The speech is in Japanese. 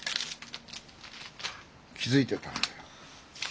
気付いてたんだよ。